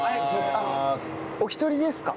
お一人ですか？